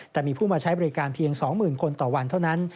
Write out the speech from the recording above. แต่มีผู้มาใช้บริการเพียง๒๐๐๐คนต่อวันเท่านั้น